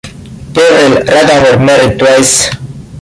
Gavril Radomir married twice.